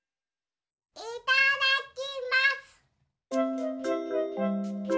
いただきます！